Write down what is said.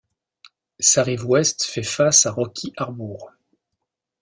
Sa rive ouest fait face à Rocky Harbour.